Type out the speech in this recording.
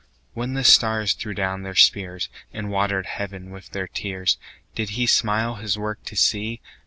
When the stars threw down their spears, And water'd heaven with their tears, Did He smile His work to see?